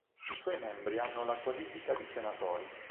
I suoi membri hanno la qualifica di senatori.